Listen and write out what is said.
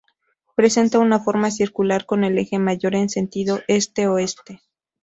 Presenta una forma circular con el eje mayor en sentido este-oeste.